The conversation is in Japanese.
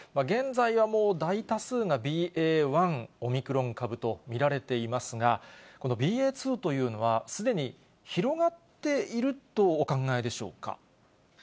現在はもう大多数がＢＡ．１オミクロン株と見られていますが、このＢＡ．２というのは、すでに広がっているとお考えでしょうか。